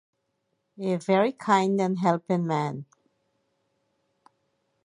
A very kind and helping man.